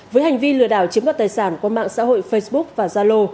với hành vi lừa đảo chiếm đoạt tài sản qua mạng xã hội facebook và zalo